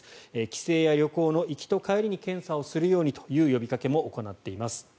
帰省や旅行の行きと帰りに検査をするようにという呼びかけも行っています。